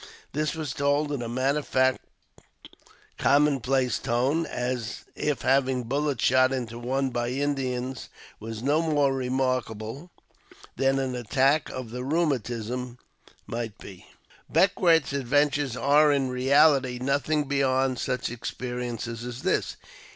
This was told in a matter of fact, common place tone, as if having bullets shot into one by Indians was no more remarkable than an attack of the rheumatism might be. Beckwourth's adventures are, in reality, nothing beyond such experiences as this.